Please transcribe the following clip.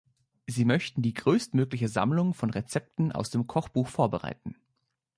Sie möchten die größtmögliche Sammlung von Rezepten aus dem Kochbuch vorbereiten.